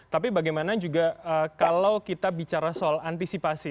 tapi bagaimana juga kalau kita bicara soal antisipasi